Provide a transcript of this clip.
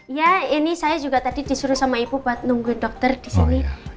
iya ini saya juga tadi disuruh sama ibu buat nunggu dokter disini